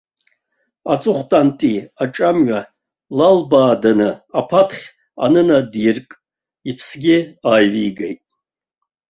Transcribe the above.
Аҵыхәтәантәи аҿамҩа лалбааданы аԥаҭхь анынадирк, иԥсгьы ааивигеит.